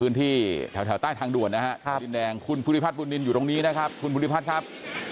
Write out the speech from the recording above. พื้นที่แถวใต้ทางด่วนนะฮะครับดินแรงคุณผูลิภัทรตัวลินทร์อยู่ตรงนี้นะครับ